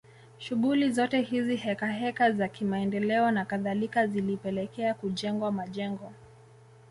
Shughuli zote hizi heka heka za kimaendeleo na kadhalika zilipelekea kujengwa majengo